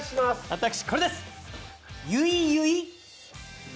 私、これです。